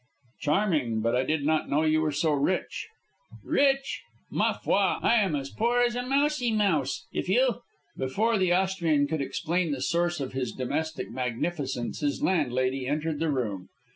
"Charming. But I did not know you were so rich." "Rich! Ma foi, I am as poor as a mousie mouse. If you " Before the Austrian could explain the source of his domestic magnificence his landlady entered the room.